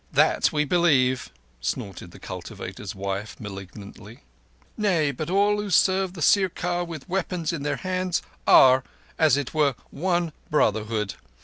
"That we believe," snorted the cultivator's wife malignantly. "Nay, but all who serve the Sirkar with weapons in their hands are, as it were, one brotherhood.